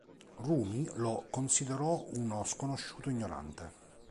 Rumi lo considerò uno sconosciuto ignorante.